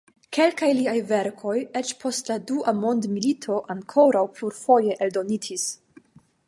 Kelkaj liaj verkoj eĉ post la Dua mondmilito ankoraŭ plurfoje eldonitis.